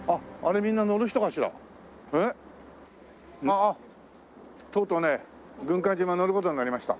ああとうとうね軍艦島乗る事になりました。